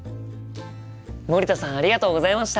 森田さんありがとうございました。